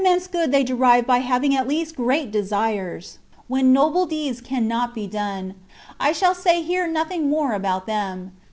mense good they derive by having at least great desireSy when noble deeds cannot be done, I shall say here nothing more about them.